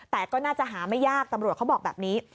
แต่ก็น่าจะหาไม่ยากตำรวจเขาบอกแบบนี้